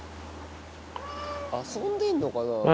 遊んでんのかな？